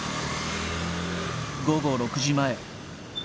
午後６時前。